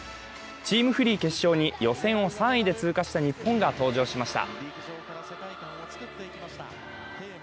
チーム・フリー決勝に予選を３位で通過した日本が登場しました。